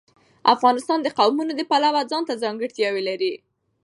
افغانستان د قومونه د پلوه ځانته ځانګړتیا لري.